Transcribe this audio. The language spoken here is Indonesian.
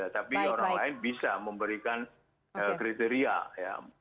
tapi orang lain bisa memberikan kriteria ya